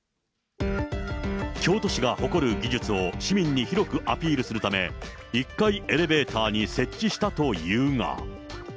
京都市が誇る技術を市民に広くアピールするため、１階エレベーターに設置したというが。